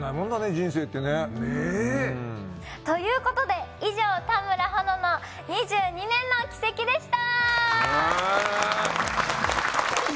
人生ってね。ね！ということで以上田村保乃の２２年の軌跡でした！